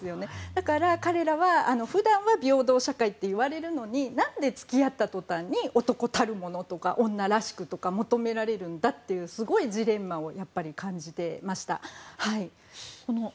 だから彼らは普段は平等社会っていわれるのに何で付き合ったとたんに男たるものとか女らしくとか求められるんだってすごいジレンマを感じてました。